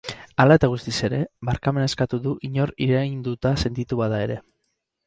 Hala eta guztiz ere, barkamena eskatu du inor irainduta sentitu bada ere.